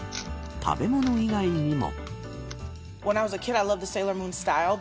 食べ物以外にも。